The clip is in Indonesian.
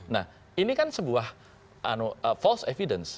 nah ini kan sebuah false evidence